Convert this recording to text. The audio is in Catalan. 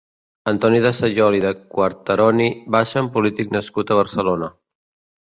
Antoni de Saiol i de Quarteroni va ser un polític nascut a Barcelona.